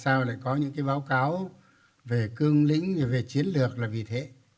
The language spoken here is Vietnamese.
chúng ta nhìn rộng ra tại sao lại có những báo cáo về cương lĩnh về chiến lược là vì thế